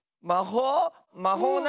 まほう？